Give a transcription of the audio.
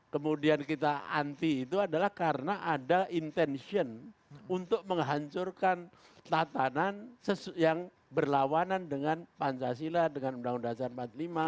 kemudian kita anti itu adalah karena ada intension untuk menghancurkan tatanan yang berlawanan dengan pancasila dengan undang undang dasar empat puluh lima